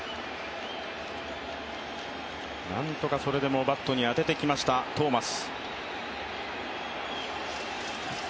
何とかそれでもバットに当ててきました、トーマス。